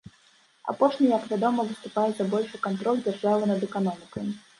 Апошні, як вядома, выступае за большы кантроль дзяржавы над эканомікай.